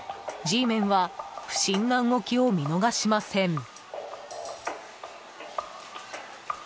Ｇメンは不審な動きを見逃しません。